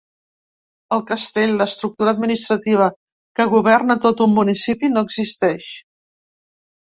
El castell, l’estructura administrativa que governa tot un municipi, no existeix.